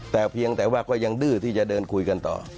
แต่เพียงแต่ว่าก็ยังดื้อที่จะเดินคุยกันต่อ